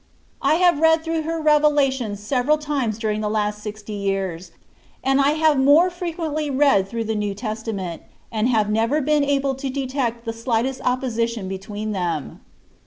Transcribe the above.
I have read through her revelations several times during the last sixty years, and I have more frequently read through the New Testament, and have never been able to detect the slightest opposi tion between them.